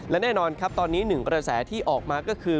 และแน่นอนครับตอนนี้หนึ่งกระแสที่ออกมาก็คือ